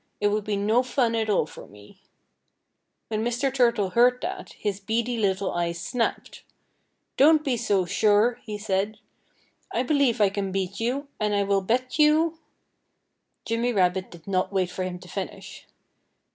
It would be no fun at all for me." When Mr. Turtle heard that, his beady little eyes snapped. "Don't be so sure!" he said. "I believe I can beat you. And I will bet you " Jimmy Rabbit did not wait for him to finish.